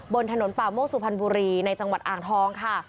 บนถนนป่าโมกสุพรรณบุรีในจังหวัดอ่างทองค่ะ